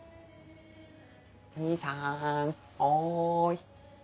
お義兄さんおい。